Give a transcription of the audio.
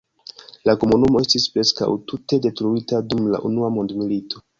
La komunumo estis preskaŭ tute detruita dum la Unua mondmilito.